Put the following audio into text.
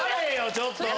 ちょっと。